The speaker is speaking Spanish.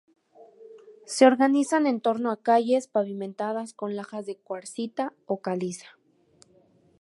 Se organizan en torno a calles pavimentadas con lajas de cuarcita o caliza.